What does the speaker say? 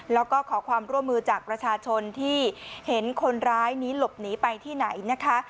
แล้วก็ขอความร่วมมือจากประชาชนที่เห็นคนร้ายนี้หลบหนีไปที่ไหนนะคะ